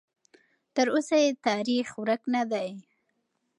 تراوسه یې تاریخ ورک نه دی.